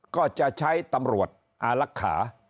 ก็จะใช้ตำรวจอารักษา